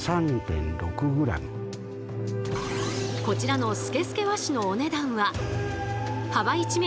こちらのスケスケ和紙のお値段は幅１ｍ